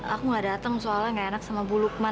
aku gak datang soalnya nggak enak sama bu lukman